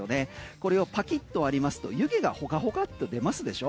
これをパキッとありますと湯気がホカホカって出ますでしょ。